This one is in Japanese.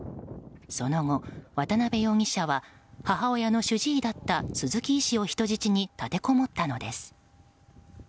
その後、渡辺容疑者は母親の主治医だった鈴木医師を人質に立てこもったのです。